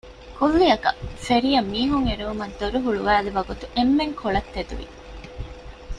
ކުއްލިއަކަށް ފެރީއަށް މީހުން އެރުވުމަށް ދޮރު ހުޅުވައިލި ވަގުތު އެންމެން ކޮޅަށް ތެދުވި